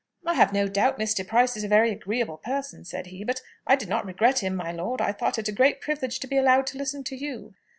"I have no doubt Mr. Price is a very agreeable person," said he, "but I did not regret him, my lord. I thought it a great privilege to be allowed to listen to you."